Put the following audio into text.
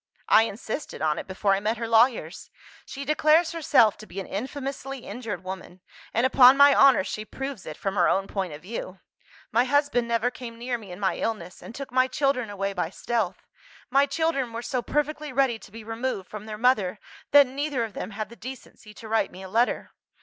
"I insisted on it, before I met her lawyers. She declares herself to be an infamously injured woman and, upon my honour, she proves it, from her own point of view. 'My husband never came near me in my illness, and took my children away by stealth. My children were so perfectly ready to be removed from their mother, that neither of them had the decency to write me a letter.